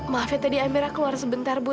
maafin tadi amira keluar sebentar bu